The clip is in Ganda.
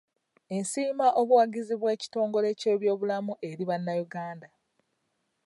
Nsiima obuwagizi bw'ekitongole ky'ebyobulamu eri bannayuganda.